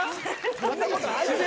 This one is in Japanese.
そんなことある？